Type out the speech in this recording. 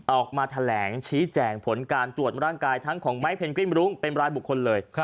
ออกมาแถลงชี้แจงผลการตรวจร่างกายทั้งของไม้เพนกวินรุ้งเป็นรายบุคคลเลย